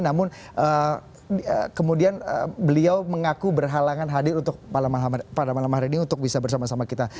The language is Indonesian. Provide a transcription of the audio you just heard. namun kemudian beliau mengaku berhalangan hadir untuk pada malam hari ini untuk bisa bersama sama kita